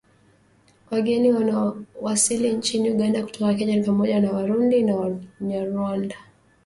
Wageni wanaowasili nchini Uganda kutoka Kenya ni pamoja na Warundi na Wanyarwanda